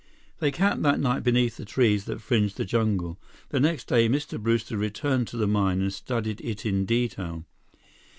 They camped that night beneath the trees that fringed the jungle. The next day, Mr. Brewster returned to the mine and studied it in detail.